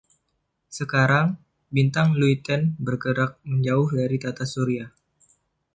Sekarang, Bintang Luyten bergerak menjauh dari Tata Surya.